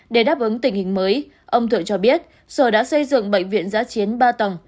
để đáp ứng tình hình mới ông thượng cho biết sở đã xây dựng bệnh viện giá chiến ba tầng